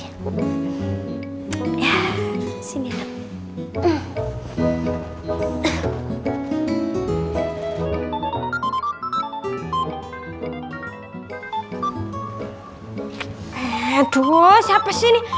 aduh siapa sih ini